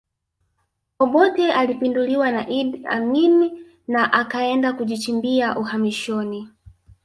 Obote alipinduliwa na Idi Amin na akaenda kujichimbia uhamishoni